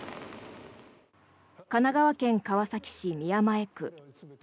神奈川県川崎市宮前区。